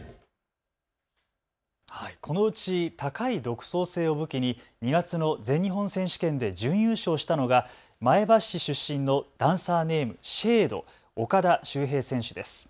このうち高い独創性を武器に２月の全日本選手権で準優勝したのが前橋市出身のダンサーネーム、ＳＨＡＤＥ、岡田修平選手です。